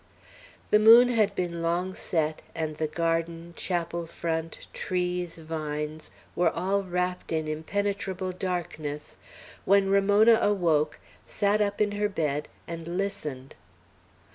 The moon had been long set, and the garden, chapel front, trees, vines, were all wrapped in impenetrable darkness, when Ramona awoke, sat up in her bed, and listened.